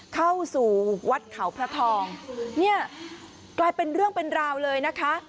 เข้าสู่วัดเขาพระทองเนี่ยกลายเป็นเรื่องเป็นราวเลยนะคะ